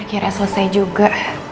akhirnya selesai juga